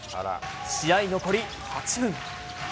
試合残り８分。